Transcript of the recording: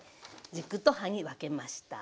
軸と葉に分けました。